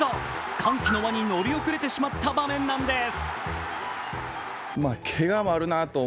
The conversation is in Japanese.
歓喜の輪に乗り遅れてしまった場面なんです。